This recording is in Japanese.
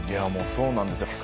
そうなんですよ。